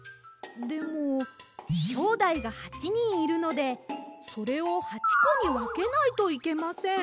でもきょうだいが８にんいるのでそれを８こにわけないといけません。